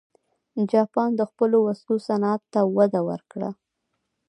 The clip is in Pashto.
جاپان د خپلو وسلو صنعت ته وده ورکړه.